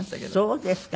そうですか。